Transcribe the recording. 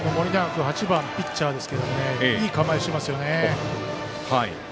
君８番、ピッチャーですけどいい構えをしていますよね。